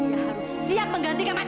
dia harus siap menggantikan matanya